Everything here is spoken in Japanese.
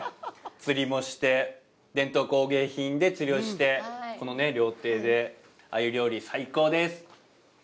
釣りもして、伝統工芸品で釣りをして、この料亭で鮎料理、最高です。